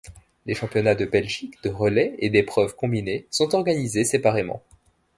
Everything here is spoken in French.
Les championnats de Belgique de relais et d'épreuves combinées sont organisés séparément.